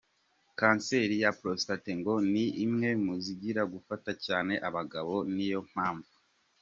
Kanseri ya Prostate ngo ni umwe muziri gufata cyane abagabo, ninayo mpamvu Dr.